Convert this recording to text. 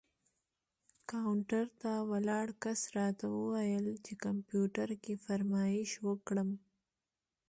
کاونټر ته ولاړ کس راته وویل چې کمپیوټر کې فرمایش ورکړم.